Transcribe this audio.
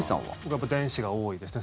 やっぱり電子が多いですね